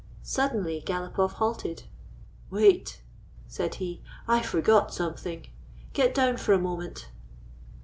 Suddenly Galopoff halted. " Wait," said he. " I forgot something. Get down for a moment."